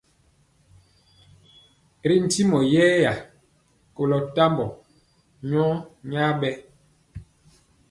Ri ntimɔ yɛya koló tɔmba nyɔ nya bɛɛ.